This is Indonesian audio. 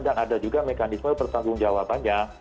dan ada juga mekanisme pertanggung jawabannya